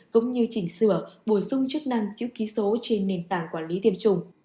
cũng như chỉnh sửa bổ sung chức năng chữ ký số trên nền tảng quản lý tiêm chủng